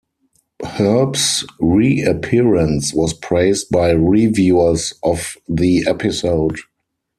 Herb's reappearance was praised by reviewers of the episode.